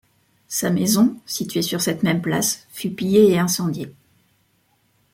Sa maison, située sur cette même place, fut pillée et incendiée.